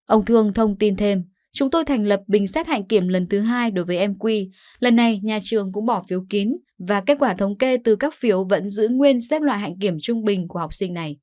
ông thương thông tin thêm chúng tôi thành lập bình xét hạnh kiểm lần thứ hai đối với mq lần này nhà trường cũng bỏ phiếu kín và kết quả thống kê từ các phiếu vẫn giữ nguyên xếp loại hạnh kiểm trung bình của học sinh này